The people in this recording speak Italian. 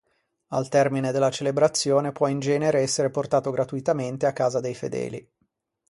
Al termine della celebrazione può in genere essere portato gratuitamente a casa dei fedeli.